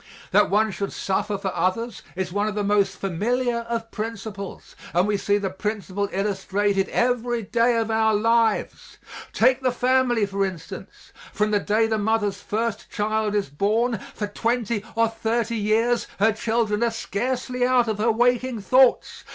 That one should suffer for others is one of the most familiar of principles and we see the principle illustrated every day of our lives. Take the family, for instance; from the day the mother's first child is born, for twenty or thirty years her children are scarcely out of her waking thoughts.